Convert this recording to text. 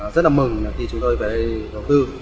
rất là mừng khi chúng tôi về đầu tư